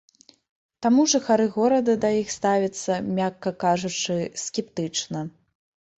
Таму жыхары горада да іх ставяцца, мякка кажучы, скептычна.